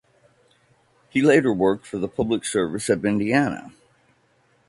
He later worked for the Public Service of Indiana.